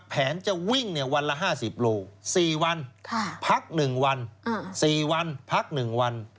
แผนจะวิ่งวันละ๕๐กิโลกรัม๔วันพัก๑วัน